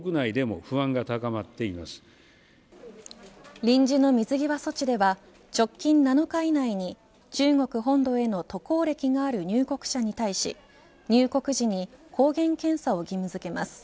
臨時の水際措置では直近７日以内に、中国本土への渡航歴がある入国者に対し入国時に抗原検査を義務付けます。